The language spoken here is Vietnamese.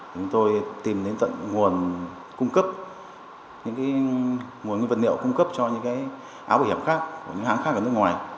chúng tôi tìm đến tận nguồn nguyên vật liệu cung cấp cho áo bảo hiểm khác hãng khác ở nước ngoài